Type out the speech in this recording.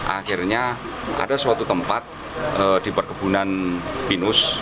akhirnya ada suatu tempat di perkebunan pinus